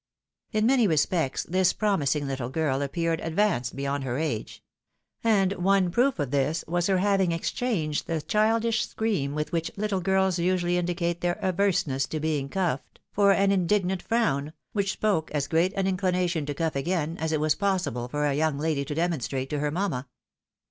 In many respects this promising little girl appeared ad vanced beyond her age ; and one proof of this was her having exchanged the childish scream with 'which little girls usually indicate their averseness to being cuffed, for an indignant frown, which spoke as great an inclination to cuff again, as it was possible for a young lady to demonstrate to her mamma.